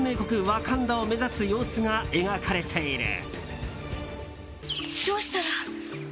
ワカンダを目指す様子が描かれている。